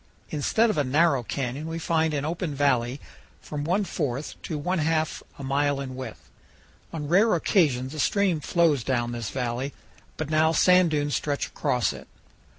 Instead of a narrow canyon we find an open valley from one fourth to one half a mile in width. On rare occasions a stream flows down this valley, but now sand dunes stretch across it.